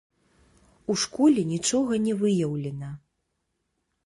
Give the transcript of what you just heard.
У школе нічога не выяўлена.